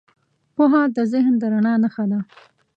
پوهه د ذهن د رڼا نښه ده.